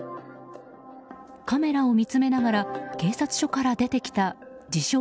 カメラを見つめながら警察署から出てきた自称